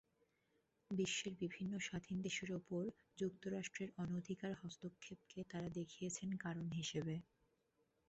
বিশ্বের বিভিন্ন স্বাধীন দেশের ওপর যুক্তরাষ্ট্রের অনধিকার হস্তক্ষেপকে তাঁরা দেখিয়েছেন কারণ হিসেবে।